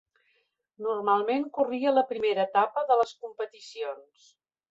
Normalment corria la primera etapa de les competicions.